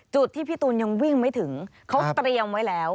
จุดที่พี่ตูนยังวิ่งไม่ถึงเขาเตรียมไว้แล้ว